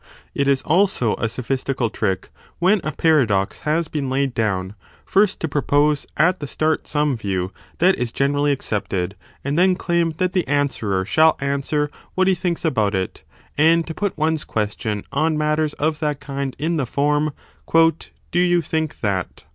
It is also a sophistical trick, when a paradox has been laid down, first to propose at the start some 1 view that is generally accepted, and then claim that the answerer shall answer what he thinks about it, and to put one s question on matters of that kind in the form Do you think that